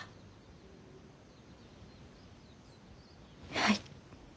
はい。